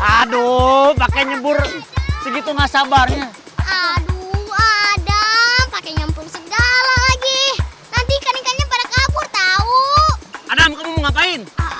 aku pengen tangkap ikan